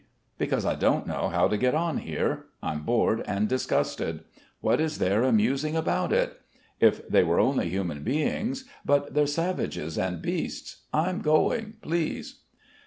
"Because I don't know how to get on here. I'm bored and disgusted. What is there amusing about it? If they were only human beings; but they're savages and beasts. I'm going, please."